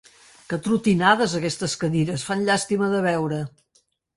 Que atrotinades, aquestes cadires: fan llàstima de veure!